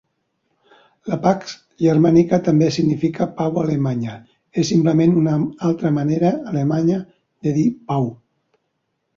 La "Pax Germanica" també significa "pau alemanya", és simplement una altra manera alemanya de dir pau.